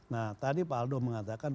nah tadi pak aldo mengatakan